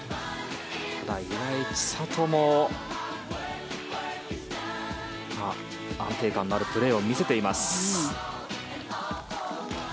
岩井千怜も安定感のあるプレーを見せています。